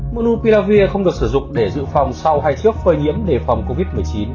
monupiravir không được sử dụng để dự phòng sau hay trước phơi nhiễm để phòng covid một mươi chín